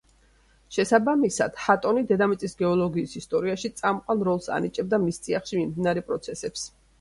შესაბამისად ჰატონი დედამიწის გეოლოგიის ისტორიაში წამყვან როლს ანიჭებდა მის წიაღში მიმდინარე პროცესებს.